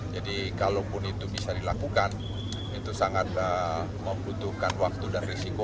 jadi kalau pun itu bisa dilakukan itu sangat membutuhkan waktu dan resiko